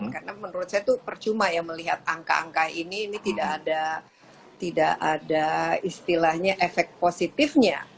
karena menurut saya itu percuma ya melihat angka angka ini ini tidak ada istilahnya efek positifnya